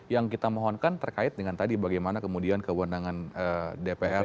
yang kita mohon kan terkait dengan tadi bagaimana kemudian kewandangan dpr